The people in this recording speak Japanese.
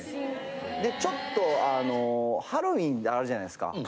でちょっとハロウィンあるじゃないですか。